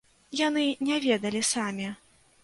Яны не ведалі самі!